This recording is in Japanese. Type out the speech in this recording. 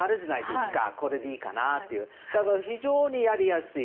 だから非常にやりやすい。